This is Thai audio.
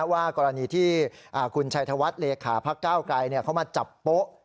ว่ากรณีที่คุณชัยธวัฒน์เลขาพักเก้าไกรเขามาจับโป๊ะ